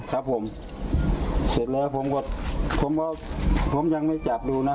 ครับผมเสร็จแล้วผมก็ผมก็ผมยังไม่จับดูนะ